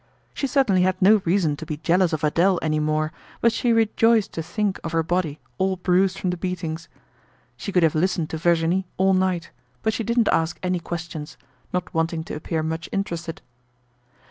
She certainly had no reason to be jealous of Adele any more but she rejoiced to think of her body all bruised from the beatings. She could have listened to Virginie all night, but she didn't ask any questions, not wanting to appear much interested.